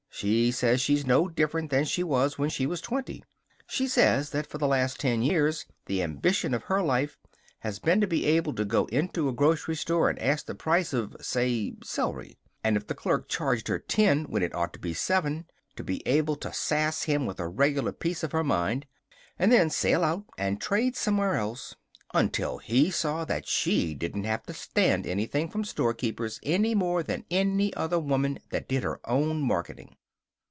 She says she's no different than she was when she was twenty. She says that for the last ten years the ambition of her life has been to be able to go into a grocery store and ask the price of, say, celery; and, if the clerk charged her ten when it ought to be seven, to be able to sass him with a regular piece of her mind and then sail out and trade somewhere else until he saw that she didn't have to stand anything from storekeepers, any more than any other woman that did her own marketing.